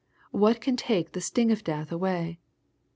What can take the sting of death away